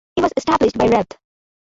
It was established by Revd.